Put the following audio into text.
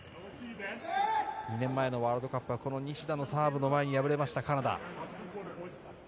２年前のワールドカップは西田のサーブの前に敗れました、カナダ。